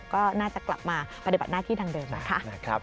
ก็น่าจะกลับมาประเด็นบันหน้าที่ดังเดิมนะคะ